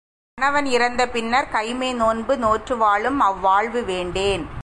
கணவன் இறந்த பின்னர்க் கைம்மை நோன்பு நோற்று வாழும் அவ்வாழ்வு வேண்டேன்.